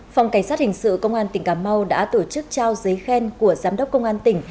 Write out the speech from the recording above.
phòng cảnh sát hình sự công an tỉnh cà mau đã tổ chức trao giấy khen của giám đốc công an tỉnh